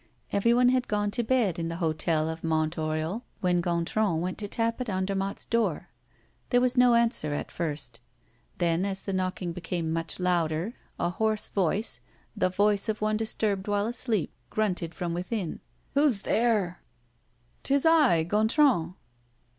Everyone had gone to bed in the hotel of Mont Oriol when Gontran went to tap at Andermatt's door. There was no answer at first; then, as the knocking became much louder, a hoarse voice, the voice of one disturbed while asleep, grunted from within: "Who's there?" "'Tis I, Gontran."